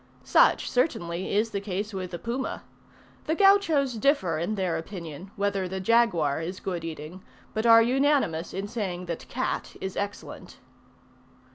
Such certainly is the case with the Puma. The Gauchos differ in their opinion, whether the Jaguar is good eating, but are unanimous in saying that cat is excellent.